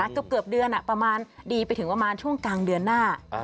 เกือบเดือนประมาณดีไปถึงประมาณช่วงกลางเดือนหน้า